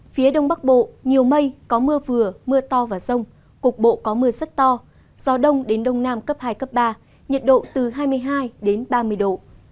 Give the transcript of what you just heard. phía đông bắc bộ nhiều mây có mưa vừa mưa to và rông cục bộ có mưa rất to gió đông đến đông nam cấp hai cấp ba nhiệt độ từ hai mươi hai đến ba mươi độ